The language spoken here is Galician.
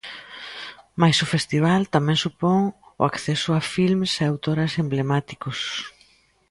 Mais o festival tamén supón o acceso a filmes e autoras emblemáticos.